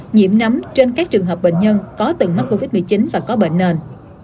nhiễm nắm trên các trường hợp bệnh nhân có từng mắc covid một mươi chín và có bệnh nền